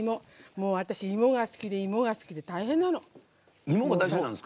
私、芋が好きで芋が好きで大変なの。